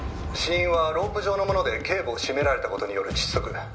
「死因はロープ状のもので頸部を絞められた事による窒息」